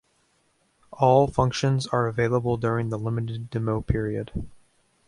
All functions are available during the limited demo period.